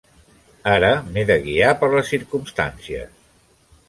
Ara m'he de guiar per les circumstàncies.